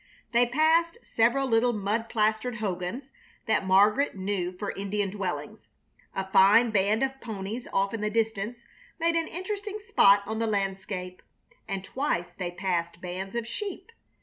They passed several little mud plastered hogans that Margaret knew for Indian dwellings. A fine band of ponies off in the distance made an interesting spot on the landscape, and twice they passed bands of sheep.